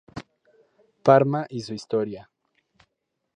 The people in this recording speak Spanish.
Parma y su historia.